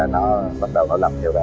nó lặp theo